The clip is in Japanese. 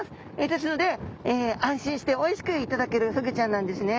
ですので安心しておいしく頂けるフグちゃんなんですね。